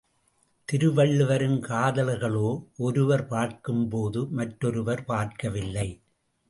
திருவள்ளுவரின் காதலர்களோ ஒருவர் பார்க்கும்போது மற்றொருவர் பார்க்கவில்லை.